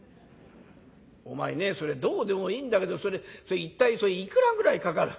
お前ねそれどうでもいいんだけど一体それいくらぐらいかかる？」。